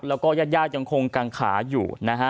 แล้วก็ญาติยังคงกังขาอยู่นะฮะ